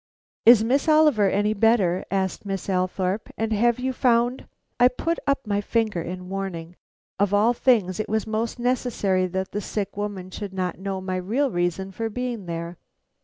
"Is Miss Oliver any better?" asked Miss Althorpe; "and have you found " I put up my finger in warning. Of all things, it was most necessary that the sick woman should not know my real reason for being there.